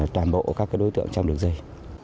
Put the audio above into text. toàn bộ các đối tượng trong đường dây